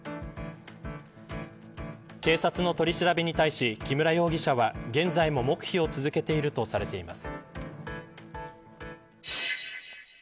警察の取り調べに対し木村容疑者は現在も黙秘を続けているとされています。